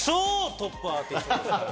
トップアーティストですから。